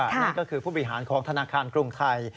นั่นก็คือผู้บริหารของธนาคารกรุงไทย